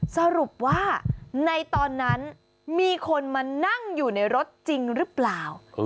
สรุปว่าในตอนนั้นมีคนมานั่งอยู่ในรถจริงหรือเปล่า